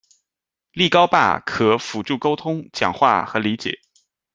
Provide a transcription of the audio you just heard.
力高爸可辅助沟通、讲话和理解。